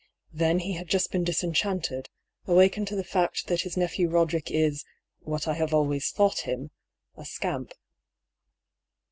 Then he had just been disenchanted, awakened to the fact that his nephew Roderick is — what I have always thought him — ^a scamp."